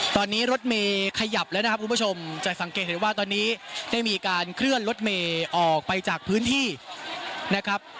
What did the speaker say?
ตอนนี้รถเมย์ขยับแล้วนะครับคุณผู้ชมจะสังเกตเห็นว่าตอนนี้ได้มีการเคลื่อนรถเมย์ออกไปจากพื้นที่นะครับ